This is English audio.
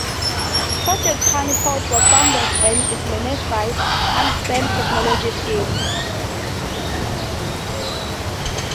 Project Honey Pot was founded and is managed by Unspam Technologies, In.